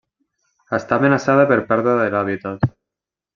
Està amenaçada per pèrdua de l'hàbitat.